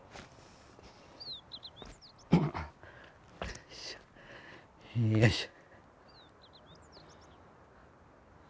よいしょよいしょ。